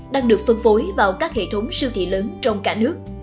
đang được phân phối vào các hệ thống siêu thị lớn trong cả nước